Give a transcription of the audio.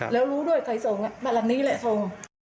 แล้วรู้ด้วยใครส่งแบบนี้เลยส่ง